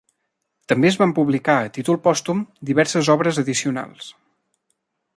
També es van publicar a títol pòstum diverses obres addicionals.